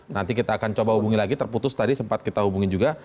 nanti kita akan coba hubungi lagi terputus tadi sempat kita hubungin juga